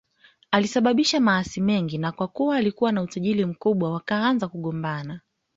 Alisababisha maasi mengi na kwa kuwa walikuwa na utajiri mkubwa wakaanza kugombana